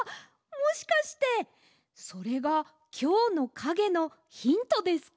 もしかしてそれがきょうのかげのヒントですか？